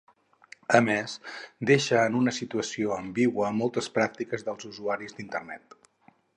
A més, deixa en una situació ambigua moltes pràctiques dels usuaris d'Internet.